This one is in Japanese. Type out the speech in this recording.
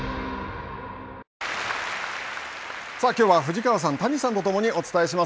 さあ、きょうは藤川さん谷さんとともに、お伝えします。